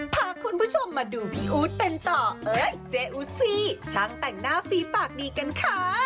พาคุณผู้ชมมาดูพี่อู๊ดเป็นต่อเอ้ยเจอูซี่ช่างแต่งหน้าฟีปากดีกันค่ะ